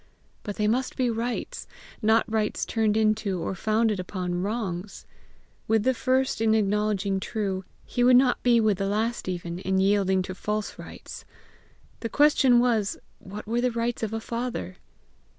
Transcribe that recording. BUT THEY MUST BE RIGHTS, not rights turned into, or founded upon wrongs. With the first in acknowledging true, he would not be with the last even, in yielding to false rights! The question was, what were the rights of a father?